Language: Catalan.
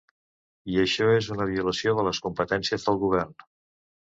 I això és una violació de les competències del govern.